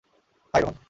High, Rohan.